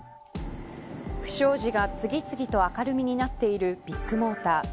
不祥事が次々と明るみになっているビッグモーター。